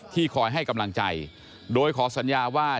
คอยให้กำลังใจโดยขอสัญญาว่า